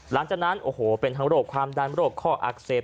หลังจากนั้นโอ้โหเป็นทั้งโรคความดันโรคข้ออักเสบ